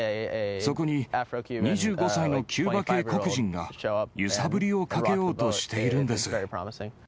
そこに２５歳のキューバ系黒人が、揺さぶりをかけようとしているんです。